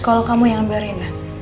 kalau kamu yang ambil rena